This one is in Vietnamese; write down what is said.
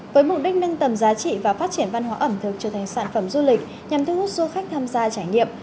với mục đích nâng tầm giá trị và phát triển văn hóa ẩm thực trở thành sản phẩm du lịch nhằm thu hút du khách tham gia trải nghiệm